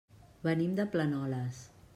Venim de Planoles.